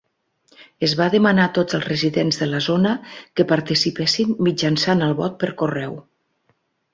Es va demanar a tots els residents de la zona que participessin mitjançant el vot per correu.